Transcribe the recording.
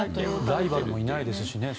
ライバルもいないですしね。